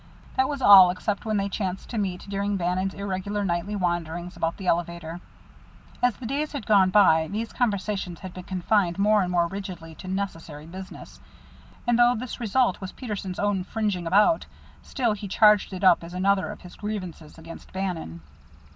That was all except when they chanced to meet during Bannon's irregular nightly wanderings about the elevator. As the days had gone by these conversations had been confined more and more rigidly to necessary business, and though this result was Peterson's own bringing about, still he charged it up as another of his grievances against Bannon.